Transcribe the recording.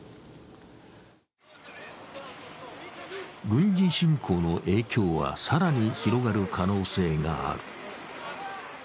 軍事侵攻の影響は更に広がる可能性がある。